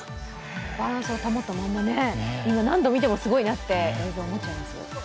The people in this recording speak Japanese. バランスをたもったままね、何度見てもすごいなと映像を見ちゃいます。